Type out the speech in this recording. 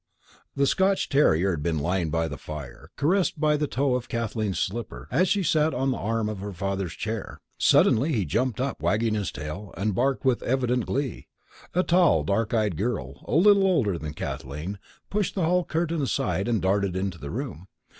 The Scotch terrier had been lying by the fire, caressed by the toe of Kathleen's slipper, as she sat on the arm of her father's chair. Suddenly he jumped up, wagging his tail, and barked with evident glee. A tall, dark eyed girl, a little older than Kathleen, pushed the hall curtains aside and darted into the room.